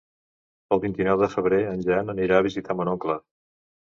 El vint-i-nou de febrer en Jan anirà a visitar mon oncle.